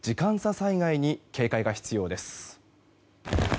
災害に警戒が必要です。